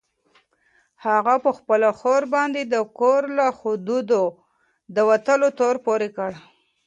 هغه په خپله خور باندې د کور له حدودو د وتلو تور پورې کړ.